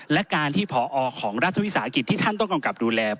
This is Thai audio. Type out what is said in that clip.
และการที่ผอของรัฐวิสาหกิจที่ท่านต้องกำกับดูแล